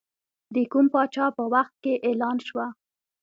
د کوم پاچا په وخت کې اعلان شوه.